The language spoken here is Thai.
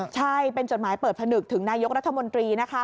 ใช่เป็นจดหมายเปิดผนึกถึงนายกรัฐมนตรีนะคะ